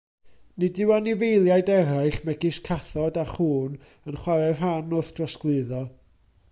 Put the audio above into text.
Nid yw anifeiliaid eraill, megis cathod a chŵn, yn chwarae rhan wrth drosglwyddo.